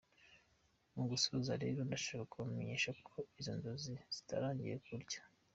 Mu gusoza rero, ndashaka kubamenyesha ko izo nzozi zitarangiye burya.